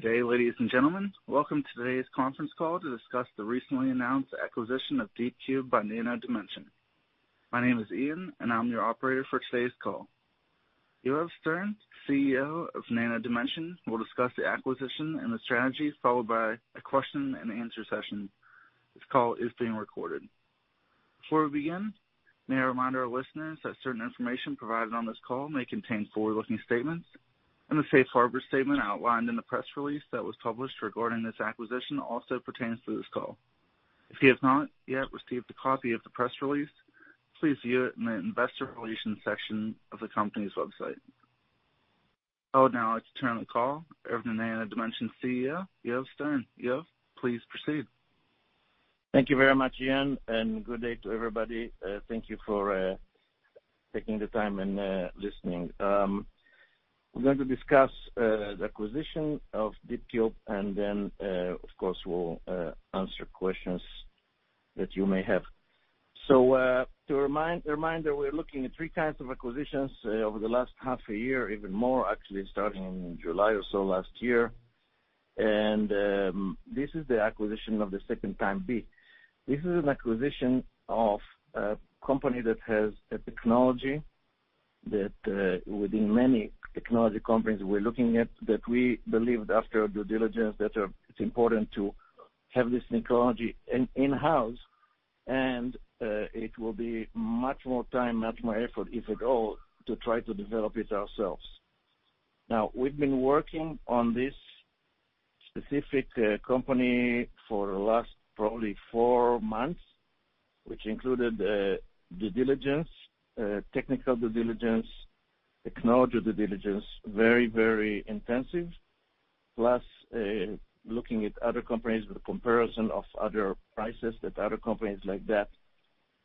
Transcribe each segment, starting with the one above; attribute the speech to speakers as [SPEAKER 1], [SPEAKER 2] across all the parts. [SPEAKER 1] Good day, ladies and gentlemen. Welcome to today's conference call to discuss the recently announced acquisition of DeepCube by Nano Dimension. My name is Ian, and I'm your operator for today's call. Yoav Stern, CEO of Nano Dimension, will discuss the acquisition and the strategy, followed by a question and answer session. This call is being recorded. Before we begin, may I remind our listeners that certain information provided on this call may contain forward-looking statements, and the safe harbor statement outlined in the press release that was published regarding this acquisition also pertains to this call. If you have not yet received a copy of the press release, please view it in the investor relations section of the company's website. I would now like to turn the call over to Nano Dimension CEO, Yoav Stern. Yoav, please proceed.
[SPEAKER 2] Thank you very much, Ian, and good day to everybody. Thank you for taking the time and listening. I'm going to discuss the acquisition of DeepCube, and then, of course, we'll answer questions that you may have. To remind, a reminder, we're looking at three kinds of acquisitions over the last half a year, even more, actually, starting in July or so last year. This is the acquisition of the second Type B. This is an acquisition of a company that has a technology that, within many technology companies we're looking at, that we believed, after due diligence, that it's important to have this technology in-house, and it will be much more time, much more effort, if at all, to try to develop it ourselves. Now, we've been working on this specific company for the last probably four months, which included due diligence, technical due diligence, technology due diligence, very, very intensive. Plus, looking at other companies, the comparison of other prices that other companies like that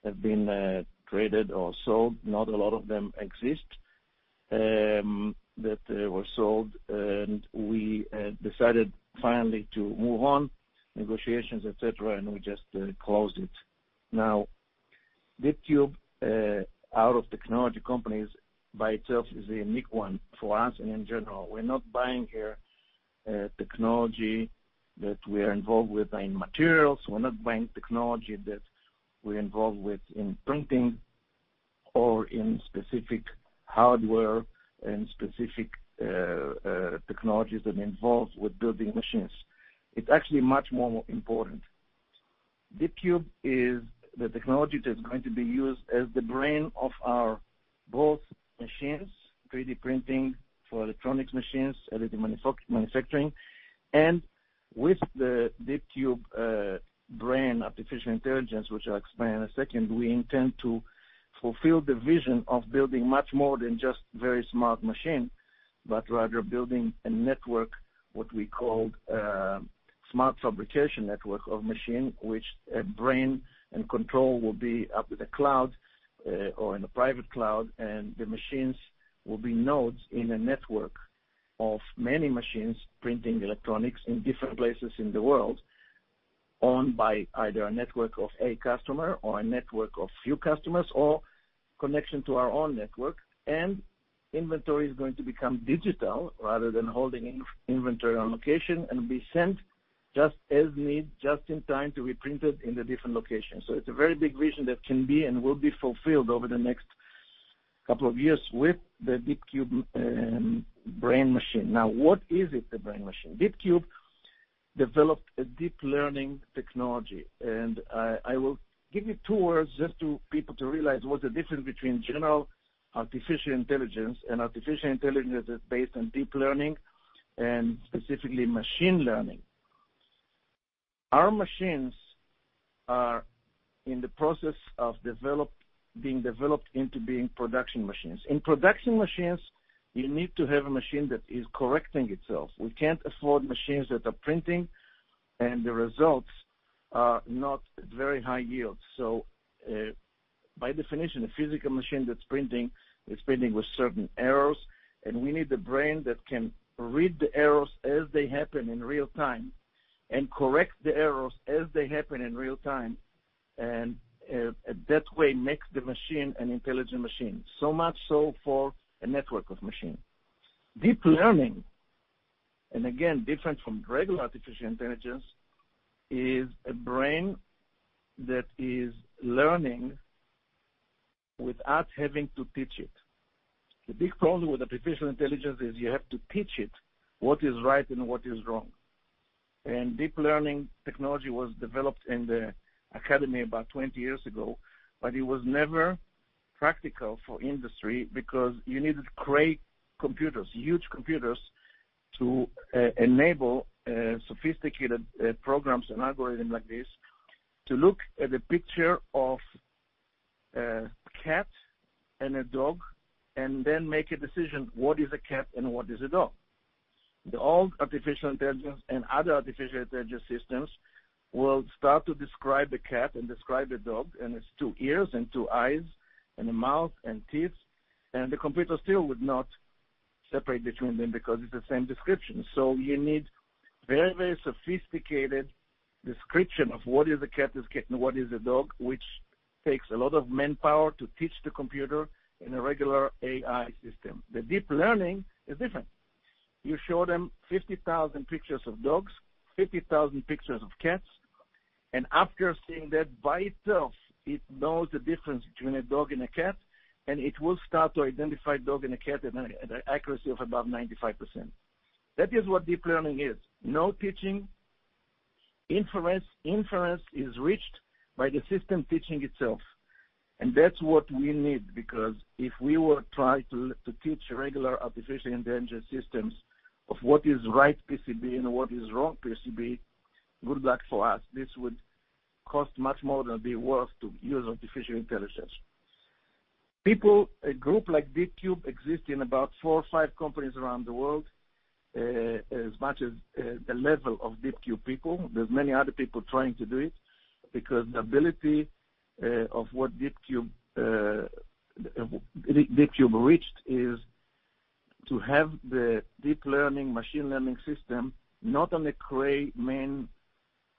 [SPEAKER 2] have been traded or sold, not a lot of them exist, that were sold, and we decided finally to move on, negotiations, et cetera, and we just closed it. Now, DeepCube, out of technology companies by itself, is a unique one for us and in general. We're not buying here technology that we are involved with in materials. We're not buying technology that we're involved with in printing or in specific hardware and specific technologies that involves with building machines. It's actually much more important. DeepCube is the technology that's going to be used as the brain of our both machines, 3D printing for electronics machines, additive manufacturing. And with the DeepCube brain artificial intelligence, which I'll explain in a second, we intend to fulfill the vision of building much more than just very smart machine, but rather building a network, what we call, smart fabrication network of machine, which a brain and control will be up in the cloud, or in the private cloud, and the machines will be nodes in a network of many machines, printing electronics in different places in the world, owned by either a network of a customer or a network of few customers, or connection to our own network. Inventory is going to become digital rather than holding inventory on location and be sent just as need, just in time to be printed in the different locations. So it's a very big vision that can be and will be fulfilled over the next couple of years with the DeepCube brain machine. Now, what is it, the brain machine? DeepCube developed a deep learning technology, and I will give you two words just to people to realize what the difference between general artificial intelligence and artificial intelligence is based on deep learning and specifically machine learning. Our machines are in the process of being developed into being production machines. In production machines, you need to have a machine that is correcting itself. We can't afford machines that are printing, and the results are not very high yield. So, by definition, a physical machine that's printing, is printing with certain errors, and we need the brain that can read the errors as they happen in real time and correct the errors as they happen in real time, and, that way, makes the machine an intelligent machine. So much so for a network of machine. Deep learning, and again, different from regular artificial intelligence, is a brain that is learning without having to teach it. The big problem with artificial intelligence is you have to teach it what is right and what is wrong. Deep learning technology was developed in the academy about 20 years ago, but it was never practical for industry because you needed great computers, huge computers, to enable sophisticated programs and algorithms like this to look at the picture of a cat and a dog, and then make a decision, what is a cat and what is a dog? The old artificial intelligence and other artificial intelligence systems will start to describe the cat and describe the dog, and its two ears and two eyes and a mouth and teeth, and the computer still would not separate between them because it's the same description. So you need very, very sophisticated description of what is a cat is cat and what is a dog, which takes a lot of manpower to teach the computer in a regular AI system. The deep learning is different. You show them 50,000 pictures of dogs, 50,000 pictures of cats, and after seeing that, by itself, it knows the difference between a dog and a cat, and it will start to identify dog and a cat at an accuracy of about 95%. That is what deep learning is. No teaching, inference is reached by the system teaching itself, and that's what we need, because if we were try to teach regular artificial intelligence systems of what is right PCB and what is wrong PCB, good luck for us. This would cost much more than it'd be worth to use artificial intelligence. People, a group like DeepCube exist in about four or five companies around the world, as much as the level of DeepCube people. There's many other people trying to do it, because the ability of what DeepCube, DeepCube reached, is to have the deep learning, machine learning system, not on a Cray main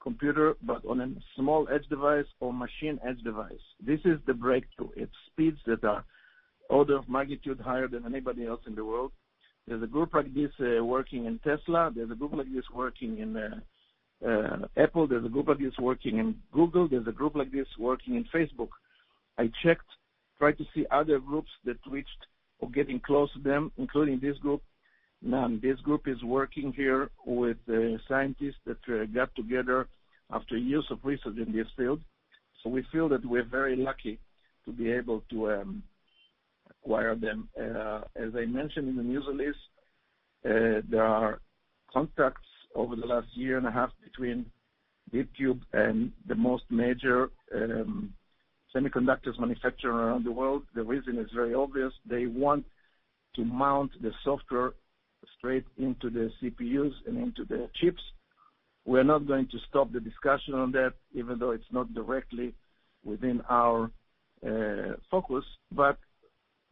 [SPEAKER 2] computer, but on a small edge device or machine edge device. This is the breakthrough. It's speeds that are order of magnitude higher than anybody else in the world. There's a group like this working in Tesla, there's a group like this working in Apple, there's a group like this working in Google, there's a group like this working in Facebook. I checked, tried to see other groups that reached or getting close to them, including this group. None. This group is working here with the scientists that got together after years of research in this field, so we feel that we're very lucky to be able to acquire them. As I mentioned in the news release, there are contracts over the last year and a half between DeepCube and the most major semiconductor manufacturers around the world. The reason is very obvious, they want to mount the software straight into the CPUs and into the chips. We're not going to stop the discussion on that, even though it's not directly within our focus, but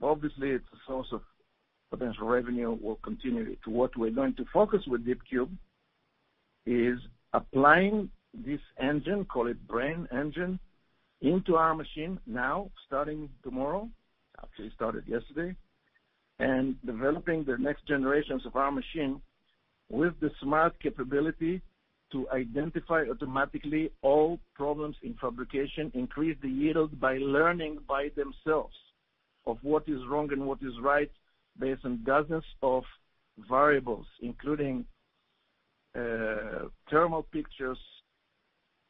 [SPEAKER 2] obviously, it's a source of potential revenue, we'll continue it. What we're going to focus with DeepCube is applying this engine, call it brain engine, into our machine now, starting tomorrow, actually started yesterday, and developing the next generations of our machine with the smart capability to identify automatically all problems in fabrication, increase the yields by learning by themselves of what is wrong and what is right, based on dozens of variables, including thermal pictures,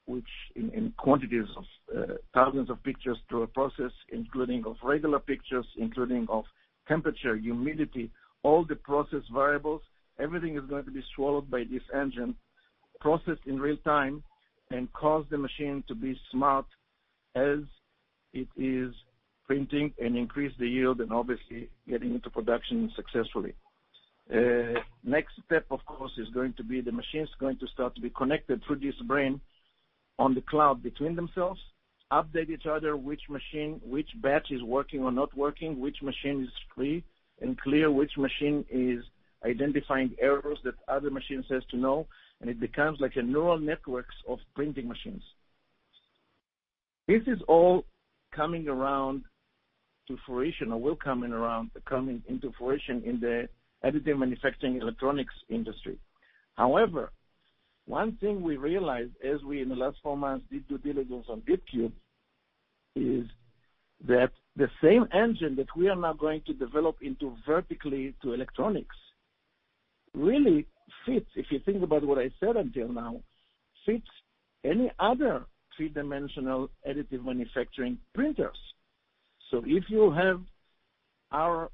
[SPEAKER 2] which in quantities of thousands of pictures through a process, including of regular pictures, including of temperature, humidity, all the process variables. Everything is going to be swallowed by this engine, processed in real time, and cause the machine to be smart as it is printing and increase the yield, and obviously, getting into production successfully. Next step, of course, is going to be the machine is going to start to be connected through this brain on the cloud between themselves, update each other, which machine, which batch is working or not working, which machine is free and clear, which machine is identifying errors that other machines has to know, and it becomes like a neural networks of printing machines. This is all coming around to fruition or will coming around, coming into fruition in the additive manufacturing electronics industry. However, one thing we realized as we, in the last four months, did due diligence on DeepCube, is that the same engine that we are now going to develop into vertically to electronics, really fits, if you think about what I said until now, fits any other three-dimensional additive manufacturing printers. So if you have our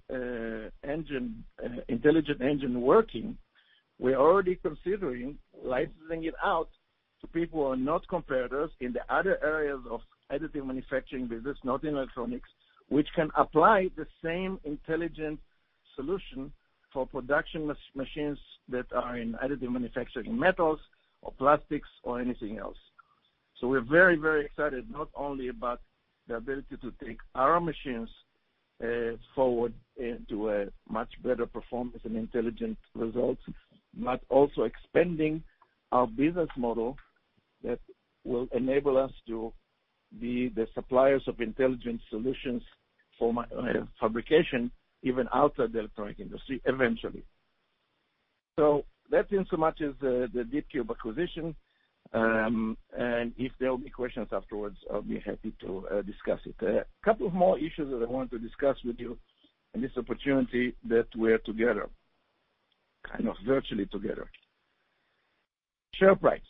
[SPEAKER 2] engine, intelligent engine working, we're already considering licensing it out to people who are not competitors in the other areas of additive manufacturing business, not in electronics, which can apply the same intelligent solution for production machines that are in additive manufacturing, metals or plastics or anything else. So we're very, very excited, not only about the ability to take our machines forward into a much better performance and intelligent results, but also expanding our business model that will enable us to be the suppliers of intelligent solutions for fabrication, even outside the electronic industry, eventually. So that's insofar as the DeepCube acquisition, and if there will be questions afterwards, I'll be happy to discuss it. A couple of more issues that I want to discuss with you in this opportunity that we're together, kind of virtually together. Share price.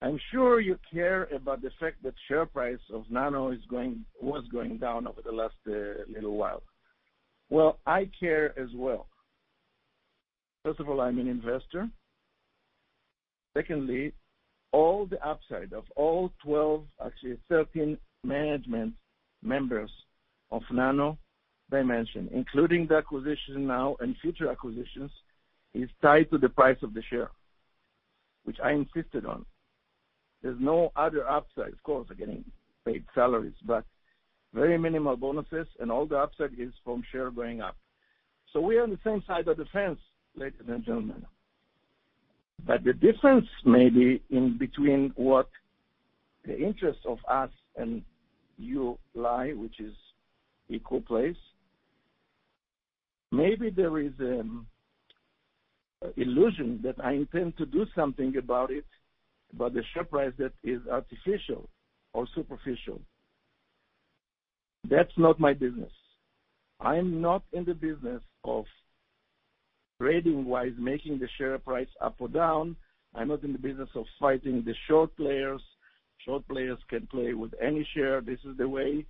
[SPEAKER 2] I'm sure you care about the fact that share price of Nano was going down over the last little while. Well, I care as well. First of all, I'm an investor. Secondly, all the upside of all 12, actually 13 management members of Nano Dimension, including the acquisition now and future acquisitions, is tied to the price of the share, which I insisted on. There's no other upside. Of course, they're getting paid salaries, but very minimal bonuses, and all the upside is from share going up. So we are on the same side of the fence, ladies and gentlemen. But the difference may be in between what the interest of us and you lie, which is equal place. Maybe there is illusion that I intend to do something about it, but the share price that is artificial or superficial, that's not my business. I'm not in the business of trading-wise, making the share price up or down. I'm not in the business of fighting the short players. Short players can play with any share. This is the way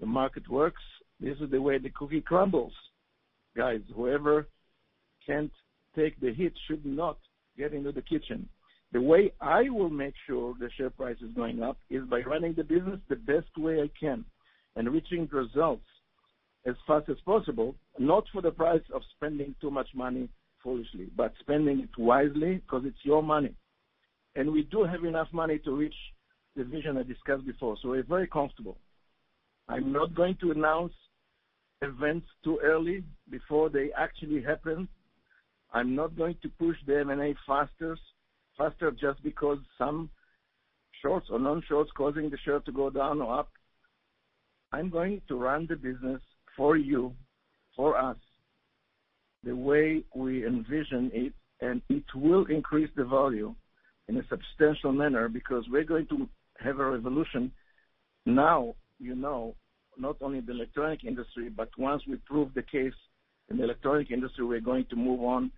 [SPEAKER 2] the market works. This is the way the cookie crumbles. Guys, whoever can't take the hit should not get into the kitchen. The way I will make sure the share price is going up is by running the business the best way I can and reaching results as fast as possible, not for the price of spending too much money foolishly, but spending it wisely because it's your money. We do have enough money to reach the vision I discussed before, so we're very comfortable. I'm not going to announce events too early before they actually happen. I'm not going to push the M&A faster, faster just because some shorts or non-shorts causing the share to go down or up. I'm going to run the business for you, for us, the way we envision it, and it will increase the value in a substantial manner because we're going to have a revolution. Now, you know, not only in the electronic industry, but once we prove the case in the electronic industry, we're going to move on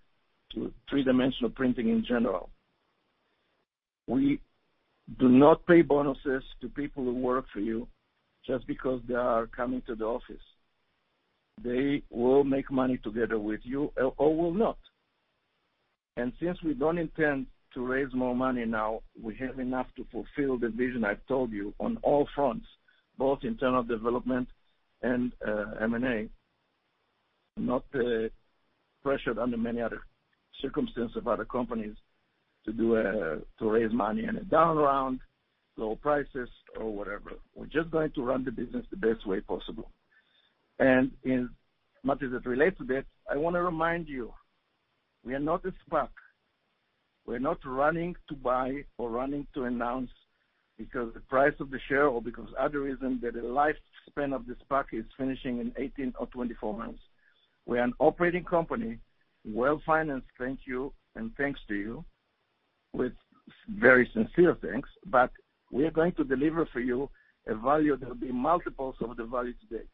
[SPEAKER 2] to three-dimensional printing in general. We do not pay bonuses to people who work for you just because they are coming to the office. They will make money together with you or will not. Since we don't intend to raise more money now, we have enough to fulfill the vision I've told you on all fronts, both internal development and M&A, not pressured under many other circumstances of other companies to do to raise money in a down round, low prices or whatever. We're just going to run the business the best way possible. And inasmuch as it relates to this, I want to remind you, we are not a SPAC. We're not running to buy or running to announce because the price of the share or because other reason that the lifespan of the SPAC is finishing in 18 or 24 months. We're an operating company, well-financed, thank you, and thanks to you, with very sincere thanks. But we are going to deliver for you a value that will be multiples of the value today.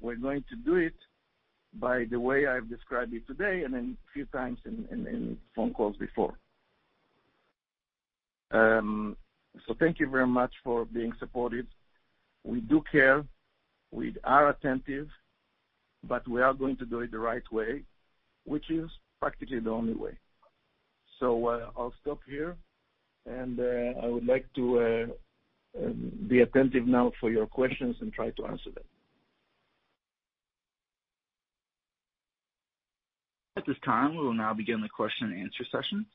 [SPEAKER 2] We're going to do it by the way I've described it today and then a few times in phone calls before. Thank you very much for being supportive. We do care, we are attentive, but we are going to do it the right way, which is practically the only way. I'll stop here, and I would like to be attentive now for your questions and try to answer them.
[SPEAKER 1] At this time, we will now begin the question and answer session.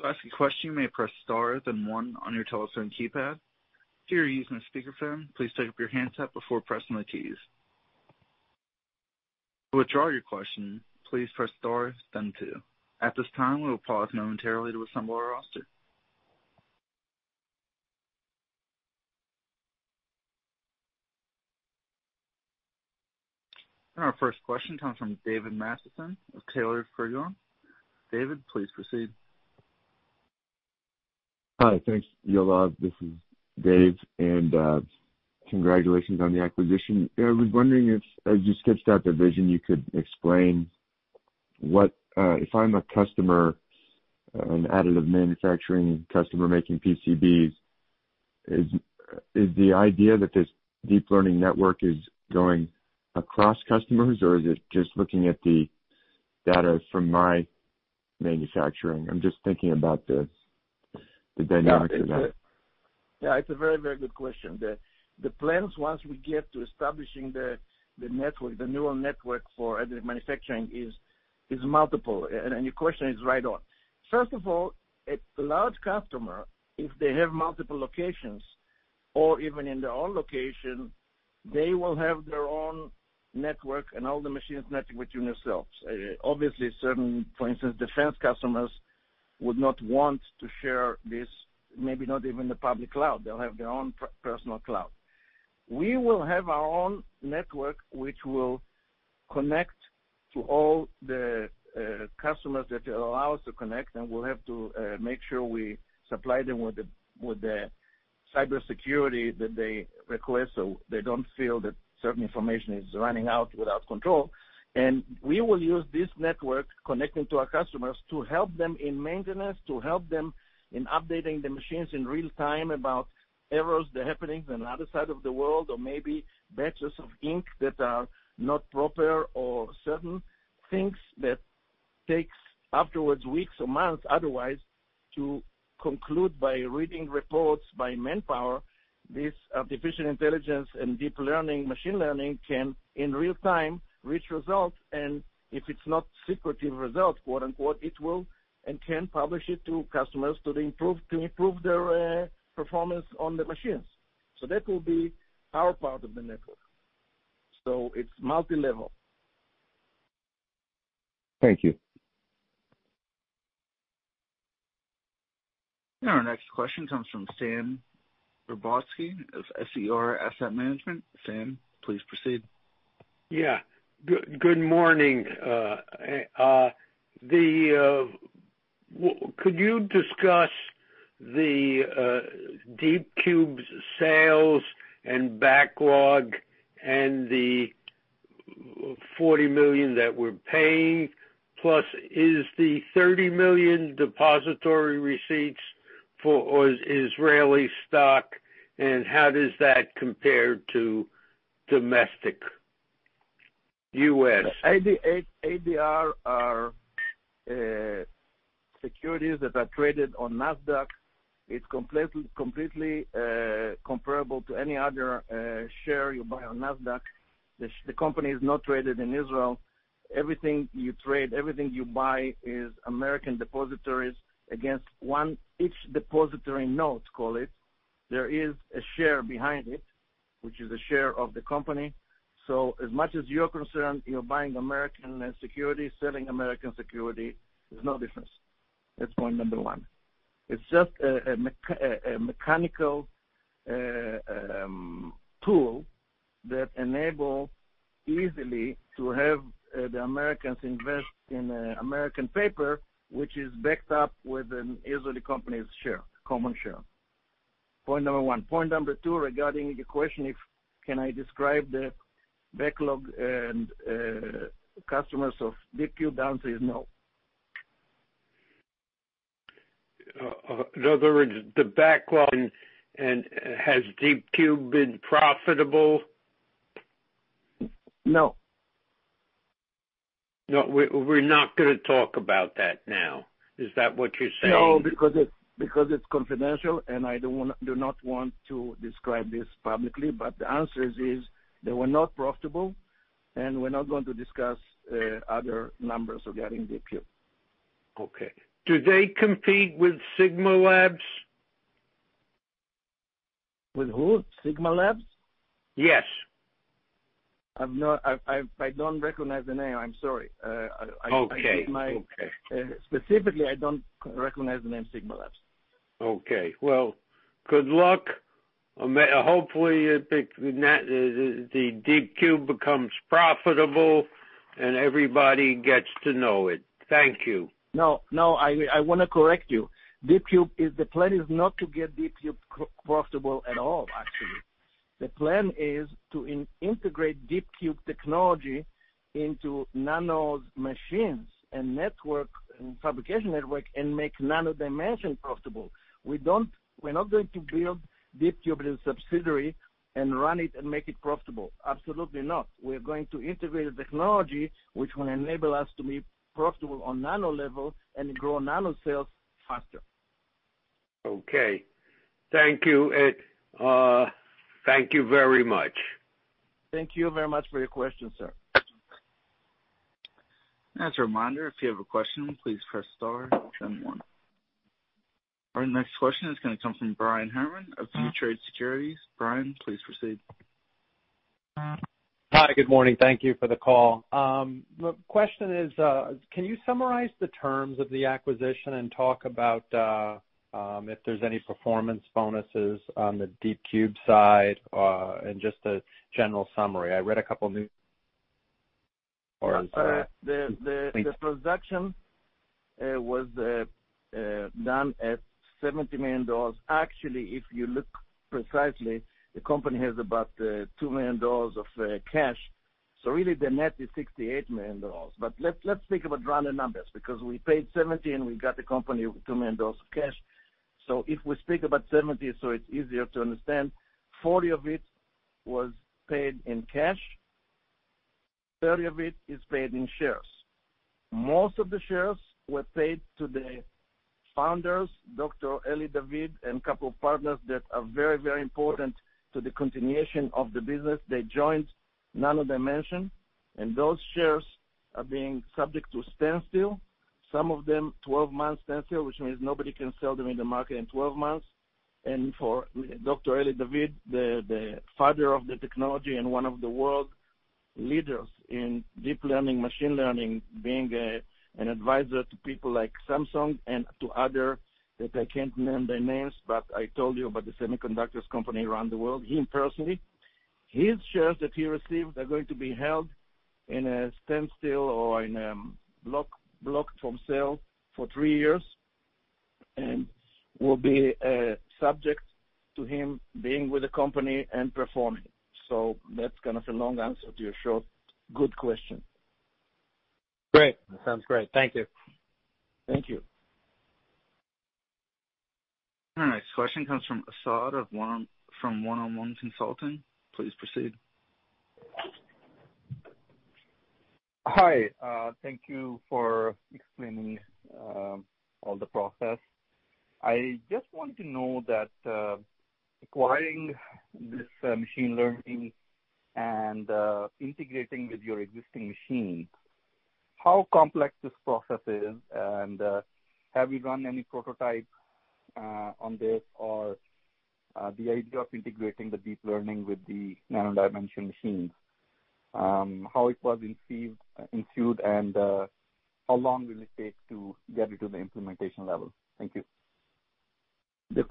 [SPEAKER 1] To ask a question, you may press star, then one on your telephone keypad. If you are using a speakerphone, please take up your handset before pressing the keys. To withdraw your question, please press star, then two. At this time, we will pause momentarily to assemble our roster. Our first question comes from David Masterson of Taylor Frigon. David, please proceed.
[SPEAKER 3] Hi. Thanks, Yoav. This is Dave, and congratulations on the acquisition. I was wondering if, as you sketched out the vision, you could explain what if I'm a customer, an additive manufacturing customer making PCBs, is the idea that this deep learning network is going across customers, or is it just looking at the data from my manufacturing? I'm just thinking about the deniability.
[SPEAKER 2] Yeah, it's a very, very good question. The plans, once we get to establishing the network, the neural network for additive manufacturing, is multiple, and your question is right on. First of all, a large customer, if they have multiple locations or even in their own location, they will have their own network and all the machines networking within themselves. Obviously, certain, for instance, defense customers would not want to share this, maybe not even the public cloud. They'll have their own personal cloud. We will have our own network, which will connect to all the customers that allow us to connect, and we'll have to make sure we supply them with the cybersecurity that they request, so they don't feel that certain information is running out without control. And we will use this network connecting to our customers to help them in maintenance, to help them in updating the machines in real time about errors that are happening on the other side of the world, or maybe batches of ink that are not proper or certain things that takes afterwards, weeks or months, otherwise, to conclude by reading reports by manpower. This artificial intelligence and deep learning, machine learning, can, in real time, reach results. And if it's not secretive results, quote, unquote, "It will and can publish it to customers to the improve- to improve their performance on the machines." So that will be our part of the network. So it's multilevel.
[SPEAKER 3] Thank you.
[SPEAKER 1] Our next question comes from Sam Rebotsky of SER Asset Management. Sam, please proceed.
[SPEAKER 4] Yeah. Good morning. Could you discuss DeepCube's sales and backlog and the $40 million that we're paying, plus is the $30 million depository receipts for Israeli stock, and how does that compare to domestic U.S.?
[SPEAKER 2] ADR are securities that are traded on Nasdaq. It's completely comparable to any other share you buy on Nasdaq. The company is not traded in Israel. Everything you trade, everything you buy is American depositories against one, each depository note, call it. There is a share behind it, which is a share of the company. So as much as you're concerned, you're buying American security, selling American security, there's no difference. That's point number one. It's just a mechanical tool that enable easily to have the Americans invest in American paper, which is backed up with an Israeli company's share, common share. Point number one. Point number two, regarding the question, if can I describe the backlog and customers of DeepCube? The answer is no.
[SPEAKER 4] In other words, the backlog and, and has DeepCube been profitable?
[SPEAKER 2] No.
[SPEAKER 4] No, we're not gonna talk about that now. Is that what you're saying?
[SPEAKER 2] No, because it's confidential, and I don't wanna- do not want to describe this publicly, but the answer is they were not profitable, and we're not going to discuss other numbers regarding DeepCube.
[SPEAKER 4] Okay. Do they compete with Sigma Labs?
[SPEAKER 2] With who? Sigma Labs?
[SPEAKER 4] Yes.
[SPEAKER 2] I don't recognize the name. I'm sorry.
[SPEAKER 4] Okay. Okay.
[SPEAKER 2] Specifically, I don't recognize the name Sigma Labs.
[SPEAKER 4] Okay. Well, good luck. Hopefully, DeepCube becomes profitable and everybody gets to know it. Thank you.
[SPEAKER 2] No, no, I wanna correct you. DeepCube is. The plan is not to get DeepCube profitable at all, actually. The plan is to integrate DeepCube technology into Nano machines and network, and fabrication network, and make Nano Dimension profitable. We're not going to build DeepCube as a subsidiary and run it and make it profitable. Absolutely not. We are going to integrate the technology, which will enable us to be profitable on Nano level and grow Nano sales faster.
[SPEAKER 4] Okay. Thank you. Thank you very much.
[SPEAKER 2] Thank you very much for your question, sir.
[SPEAKER 1] As a reminder, if you have a question, please press star then one. Our next question is gonna come from Brian Herman of ViewTrade Securities. Brian, please proceed.
[SPEAKER 5] Hi, good morning. Thank you for the call. The question is, can you summarize the terms of the acquisition and talk about, if there's any performance bonuses on the DeepCube side? And just a general summary. I read a couple of new or,
[SPEAKER 2] The transaction was done at $70 million. Actually, if you look precisely, the company has about $2 million of cash. So really, the net is $68 million. But let's think about running numbers, because we paid 70, and we got the company with $2 million of cash. So if we speak about 70, so it's easier to understand, 40 of it was paid in cash, 30 of it is paid in shares. Most of the shares were paid to the founders, Dr. Eli David, and a couple of partners that are very, very important to the continuation of the business. They joined Nano Dimension, and those shares are being subject to standstill. Some of them, 12-month standstill, which means nobody can sell them in the market in 12 months. And for Dr. Eli David, the father of the technology and one of the world leaders in deep learning, machine learning, being an advisor to people like Samsung and to other, that I can't name their names, but I told you about the semiconductors company around the world. Him personally, his shares that he received are going to be held in a standstill or in a block, blocked from sale for three years, and will be subject to him being with the company and performing. So that's kind of a long answer to your short, good question.
[SPEAKER 5] Great. Sounds great. Thank you.
[SPEAKER 2] Thank you.
[SPEAKER 1] All right, next question comes from Assad of One-on-One Consulting. Please proceed.
[SPEAKER 6] Hi, thank you for explaining all the process. I just want to know that acquiring this machine learning and integrating with your existing machine how complex this process is, and have you run any prototypes on this? Or the idea of integrating the deep learning with the Nano Dimension machines, how it was conceived, ensued, and how long will it take to get it to the implementation level? Thank you.
[SPEAKER 2] The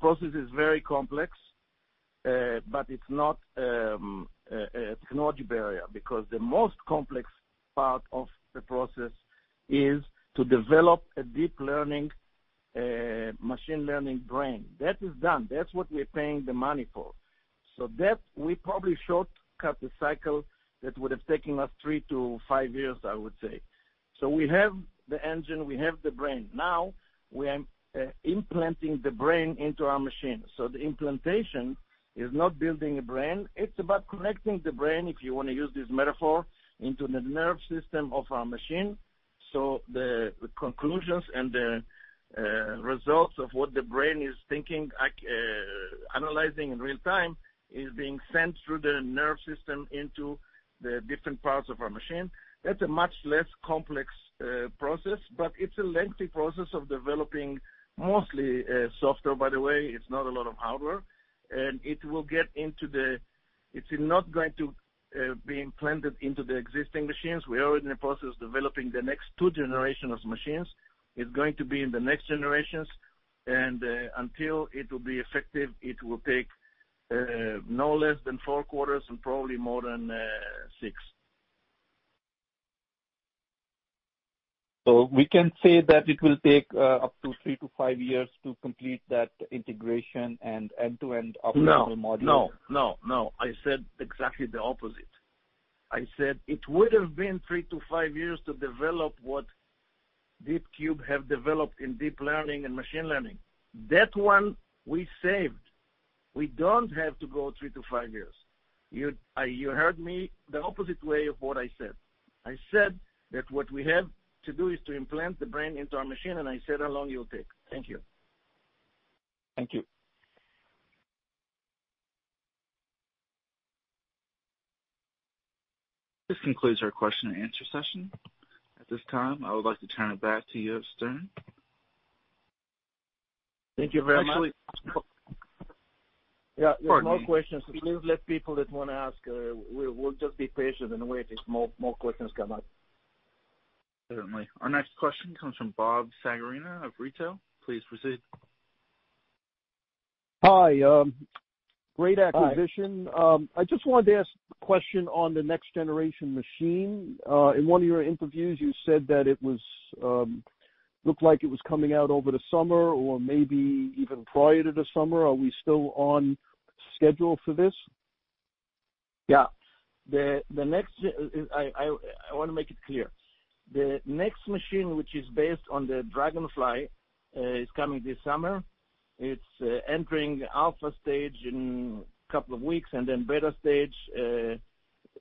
[SPEAKER 2] process is very complex, but it's not a technology barrier, because the most complex part of the process is to develop a deep learning, machine learning brain. That is done. That's what we're paying the money for. So that we probably shortcut the cycle that would have taken us 3-5 years, I would say. So we have the engine, we have the brain. Now, we are implanting the brain into our machine. So the implantation is not building a brain, it's about connecting the brain, if you want to use this metaphor, into the nerve system of our machine, so the conclusions and the results of what the brain is thinking, analyzing in real time, is being sent through the nerve system into the different parts of our machine. That's a much less complex process, but it's a lengthy process of developing mostly software, by the way, it's not a lot of hardware. It's not going to be implanted into the existing machines. We are already in the process of developing the next 2 generation of machines. It's going to be in the next generations, and until it will be effective, it will take no less than 4 quarters and probably more than 6.
[SPEAKER 6] So we can say that it will take up to 3-5 years to complete that integration and end-to-end operational model?
[SPEAKER 2] No, no, no, no. I said exactly the opposite. I said it would have been 3-5 years to develop what DeepCube have developed in deep learning and machine learning. That one we saved. We don't have to go 3-5 years. You, you heard me the opposite way of what I said. I said that what we have to do is to implant the brain into our machine, and I said how long it will take. Thank you.
[SPEAKER 6] Thank you.
[SPEAKER 1] This concludes our question and answer session. At this time, I would like to turn it back to you, Stern.
[SPEAKER 2] Thank you very much. Actually- Yeah.
[SPEAKER 1] Pardon me.
[SPEAKER 2] More questions. Please let people that want to ask, we'll just be patient and wait if more, more questions come up.
[SPEAKER 1] Certainly. Our next question comes from Bob Ceccarini of Retail. Please proceed.
[SPEAKER 7] Hi, great acquisition.
[SPEAKER 2] Hi.
[SPEAKER 7] I just wanted to ask a question on the next generation machine. In one of your interviews, you said that it was, looked like it was coming out over the summer or maybe even prior to the summer. Are we still on schedule for this?
[SPEAKER 2] Yeah. I want to make it clear. The next machine, which is based on the DragonFly, is coming this summer. It's entering alpha stage in a couple of weeks, and then beta stage.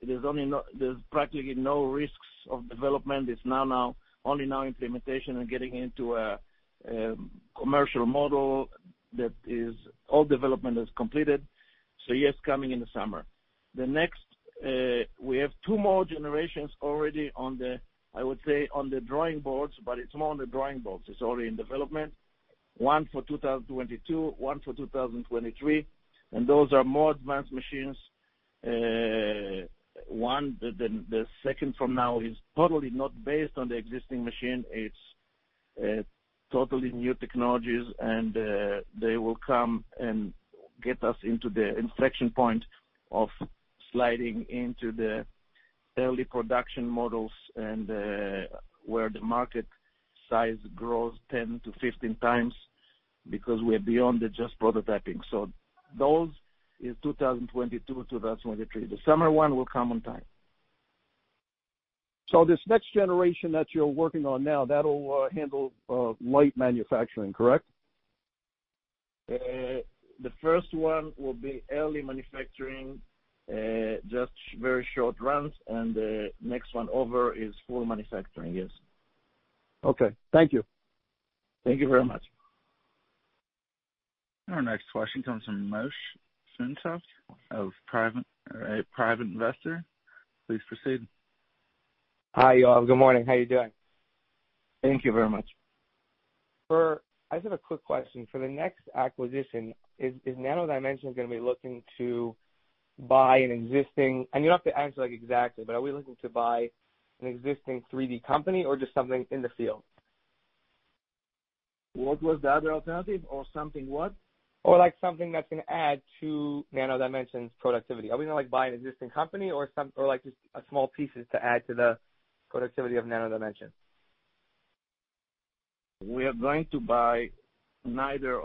[SPEAKER 2] There's practically no risks of development. It's now only implementation and getting into a commercial model that is, all development is completed. So, yes, coming in the summer. The next, we have two more generations already on the, I would say, on the drawing boards, but it's more on the drawing boards, it's already in development. One for 2022, one for 2023, and those are more advanced machines. The second from now is totally not based on the existing machine. It's totally new technologies, and they will come and get us into the inflection point of sliding into the early production models and where the market size grows 10-15 times, because we're beyond the just prototyping. So those is 2022, 2023. The summer one will come on time.
[SPEAKER 7] This next generation that you're working on now, that'll handle light manufacturing, correct?
[SPEAKER 2] The first one will be early manufacturing, just very short runs, and the next one over is full manufacturing, yes.
[SPEAKER 7] Okay. Thank you.
[SPEAKER 2] Thank you very much.
[SPEAKER 1] Our next question comes from Moshe Sansov, a private investor. Please proceed.
[SPEAKER 8] Hi, y'all. Good morning. How you doing?
[SPEAKER 2] Thank you very much.
[SPEAKER 8] I just have a quick question. For the next acquisition, is Nano Dimension gonna be looking to buy an existing, and you don't have to answer, like, exactly, but are we looking to buy an existing 3D company or just something in the field?
[SPEAKER 2] What was the other alternative? Or something what?
[SPEAKER 8] Or like something that's gonna add to Nano Dimension's productivity? Are we gonna, like, buy an existing company or, like, just a small pieces to add to the productivity of Nano Dimension?
[SPEAKER 2] We're going to buy either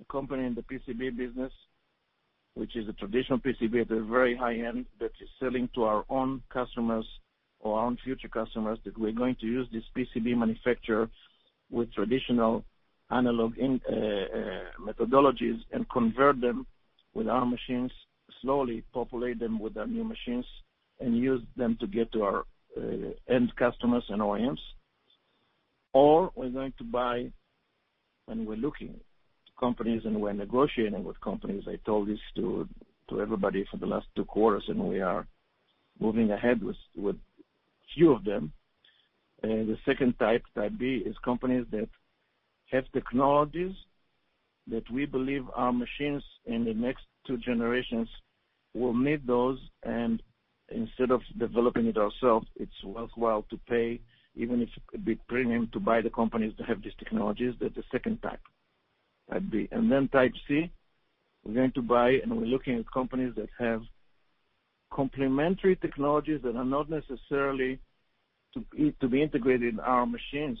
[SPEAKER 2] a company in the PCB business, which is a traditional PCB at a very high end that is selling to our own customers or our own future customers, that we're going to use this PCB manufacturer with traditional analog in methodologies, and convert them with our machines, slowly populate them with our new machines, and use them to get to our end customers and OEMs... or we're going to buy, and we're looking at companies, and we're negotiating with companies. I told this to everybody for the last two quarters, and we are moving ahead with few of them. The second type, Type B, is companies that have technologies that we believe our machines in the next two generations will need those, and instead of developing it ourselves, it's worthwhile to pay, even if it could be premium, to buy the companies that have these technologies. That's the second type, Type B. And then Type C, we're going to buy, and we're looking at companies that have complementary technologies that are not necessarily to be, to be integrated in our machines,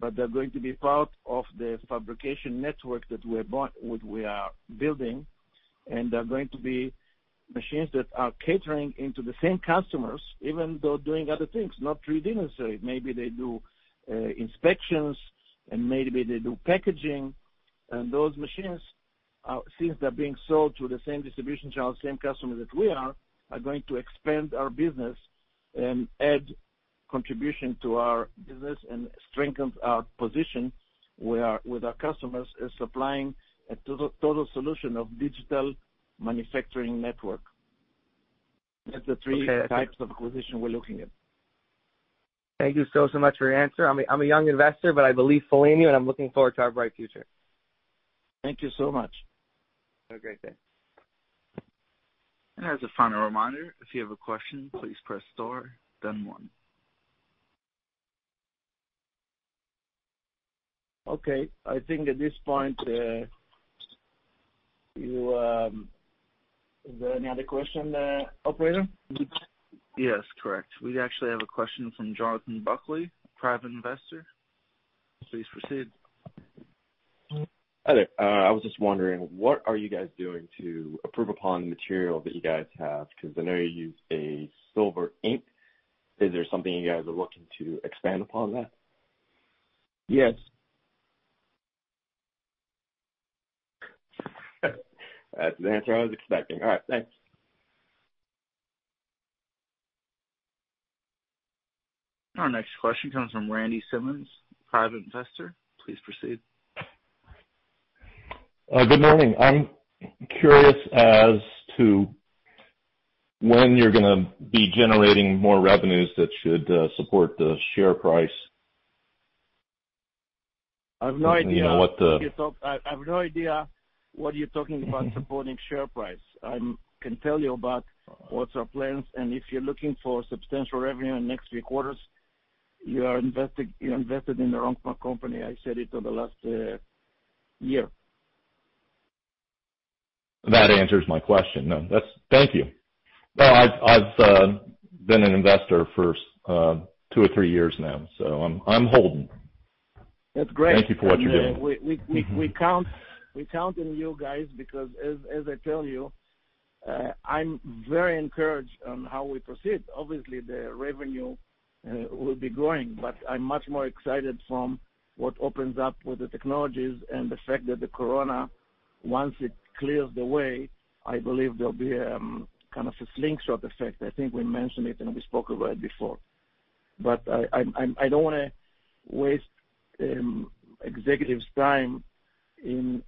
[SPEAKER 2] but they're going to be part of the fabrication network that we're bought, which we are building, and they're going to be machines that are catering to the same customers, even though doing other things, not necessarily 3D. Maybe they do inspections and maybe they do packaging. Those machines, since they're being sold to the same distribution channel, same customer that we are, are going to expand our business and add contribution to our business and strengthens our position with our, with our customers, in supplying a total, total solution of digital manufacturing network. That's the three-
[SPEAKER 8] Okay.
[SPEAKER 2] types of acquisition we're looking at.
[SPEAKER 8] Thank you so, so much for your answer. I'm a, I'm a young investor, but I believe fully in you, and I'm looking forward to our bright future.
[SPEAKER 2] Thank you so much.
[SPEAKER 8] Have a great day.
[SPEAKER 1] As a final reminder, if you have a question, please press star, then one.
[SPEAKER 2] Okay. I think at this point, is there any other question, operator?
[SPEAKER 1] Yes, correct. We actually have a question from Jonathan Buckley, private investor. Please proceed.
[SPEAKER 9] Hi there. I was just wondering, what are you guys doing to improve upon the material that you guys have? Because I know you use a silver ink. Is there something you guys are looking to expand upon that?
[SPEAKER 2] Yes.
[SPEAKER 9] That's the answer I was expecting. All right, thanks.
[SPEAKER 1] Our next question comes from Randy Simmons, private investor. Please proceed.
[SPEAKER 10] Good morning. I'm curious as to when you're gonna be generating more revenues that should support the share price.
[SPEAKER 2] I have no idea-
[SPEAKER 10] You know, what the-
[SPEAKER 2] I have no idea what you're talking about, supporting share price. I can tell you about what's our plans, and if you're looking for substantial revenue in the next three quarters, you are investing—you're invested in the wrong company. I said it for the last year.
[SPEAKER 10] That answers my question, then. That's... Thank you. No, I've, I've, been an investor for, two or three years now, so I'm, I'm holding.
[SPEAKER 2] That's great.
[SPEAKER 10] Thank you for what you're doing.
[SPEAKER 2] We count on you guys because as I tell you, I'm very encouraged on how we proceed. Obviously, the revenue will be growing, but I'm much more excited from what opens up with the technologies and the fact that the Corona, once it clears the way, I believe there'll be kind of a slingshot effect. I think we mentioned it, and we spoke about it before. But I don't wanna waste executives' time in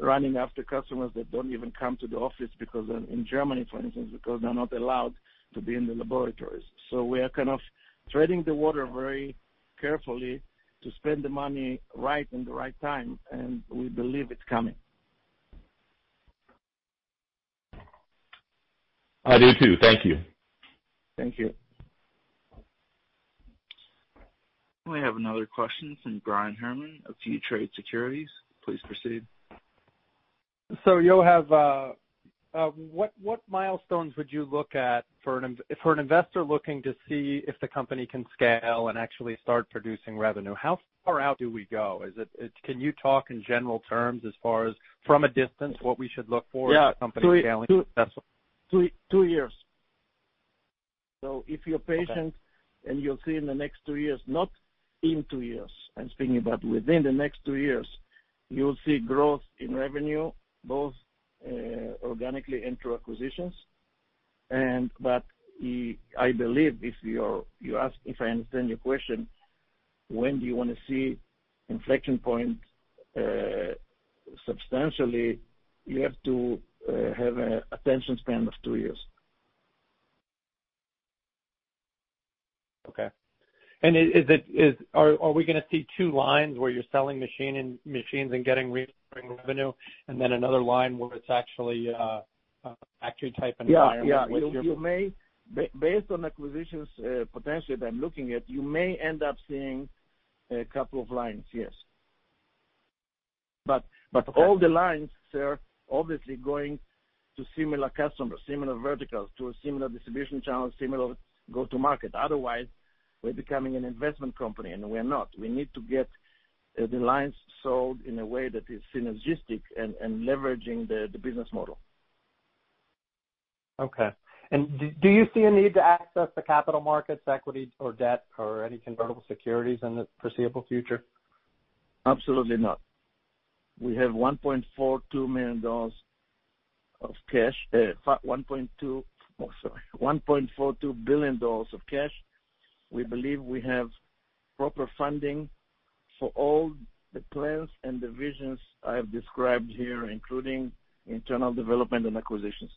[SPEAKER 2] running after customers that don't even come to the office because in Germany, for instance, because they're not allowed to be in the laboratories. So we are kind of treading water very carefully to spend the money at the right time, and we believe it's coming.
[SPEAKER 10] I do, too. Thank you.
[SPEAKER 2] Thank you.
[SPEAKER 1] We have another question from Brian Herman, of ViewTrade Securities. Please proceed.
[SPEAKER 5] So Yoav, what milestones would you look at for an investor looking to see if the company can scale and actually start producing revenue? How far out do we go? Can you talk in general terms as far as, from a distance, what we should look for?
[SPEAKER 2] Yeah.
[SPEAKER 5] as the company scaling?
[SPEAKER 2] 2, 2 years. So if you're patient-
[SPEAKER 5] Okay.
[SPEAKER 2] And you'll see in the next two years, not in two years. I'm speaking about within the next two years, you'll see growth in revenue, both organically and through acquisitions. And but, I believe if you're, you ask, if I understand your question, when do you want to see inflection point substantially, you have to have a attention span of two years.
[SPEAKER 5] Okay. And is it? Are we gonna see two lines, where you're selling machines and getting revenue, and then another line where it's actually type environment?
[SPEAKER 2] Yeah, yeah.
[SPEAKER 5] With your-
[SPEAKER 2] You may, based on acquisitions, potentially that I'm looking at, you may end up seeing a couple of lines, yes. But-
[SPEAKER 5] Okay.
[SPEAKER 2] but all the lines, they're obviously going to similar customers, similar verticals, to a similar distribution channel, similar go-to market. Otherwise, we're becoming an investment company, and we're not. We need to get the lines sold in a way that is synergistic and, and leveraging the, the business model.
[SPEAKER 5] Okay. And do you see a need to access the capital markets, equity or debt or any convertible securities in the foreseeable future?
[SPEAKER 2] Absolutely not. We have $1.42 billion of cash. We believe we have proper funding for all the plans and the visions I have described here, including internal development and acquisitions.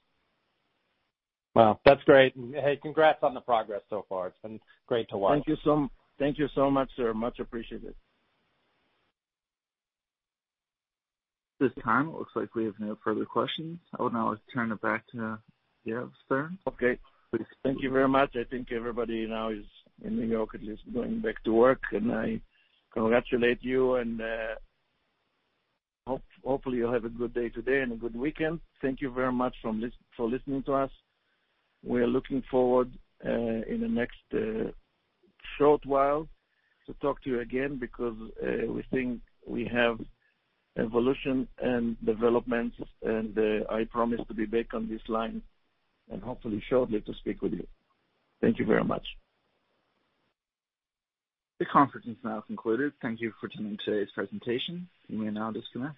[SPEAKER 5] Wow, that's great. Hey, congrats on the progress so far. It's been great to watch.
[SPEAKER 2] Thank you so much, sir. Much appreciated.
[SPEAKER 1] This time, it looks like we have no further questions. I will now turn it back to Yoav Stern.
[SPEAKER 2] Okay.
[SPEAKER 1] Please.
[SPEAKER 2] Thank you very much. I think everybody now is in New York, at least, going back to work, and I congratulate you, and hopefully, you'll have a good day today and a good weekend. Thank you very much for listening to us. We are looking forward in the next short while to talk to you again, because we think we have evolution and developments, and I promise to be back on this line and hopefully shortly to speak with you. Thank you very much.
[SPEAKER 1] This conference is now concluded. Thank you for attending today's presentation. You may now disconnect.